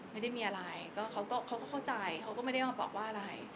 ไม่ได้มีอะไรก็เขาก็เข้าใจเขาก็ไม่ได้มาบอกว่าอะไร